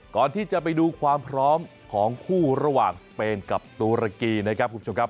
ไปดูความพร้อมของคู่ระหว่างสเปนกับตุรกีนะครับคุณผู้ชมครับ